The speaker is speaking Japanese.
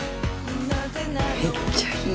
めっちゃいい！